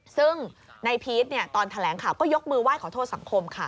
ซึ่งในพีชตอนแถลงข่าวก็ยกมือไห้ขอโทษสังคมค่ะ